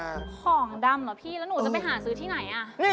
ของดำเหรอพี่แล้ว